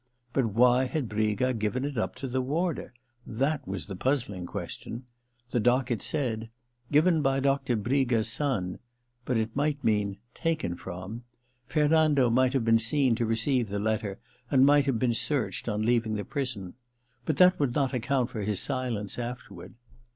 But why had Briga given it up to the warder? That was the puzzling question. The docket said :* Given by Doctor Briga's son '— but it might mean * taken from.' Fernando might have been seen to receive the letter and might have been searched on leaving the prison. But that would not account for his silence afterward.